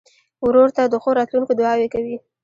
ورور ته د ښو راتلونکو دعاوې کوې.